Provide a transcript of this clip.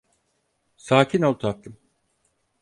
Sakin ol tatlım.